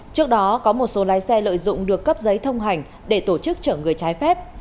trước đó có một số lái xe lợi dụng được cấp giấy thông hành để tổ chức chở người trái phép